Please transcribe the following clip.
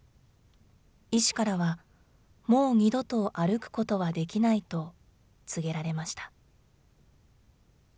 医師からは、もう二度と歩くことはできないと告げられました。